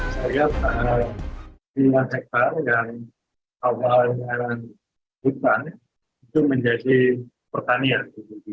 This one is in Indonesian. saya lihat lima hektare dan kawasan hutan itu menjadi pertanian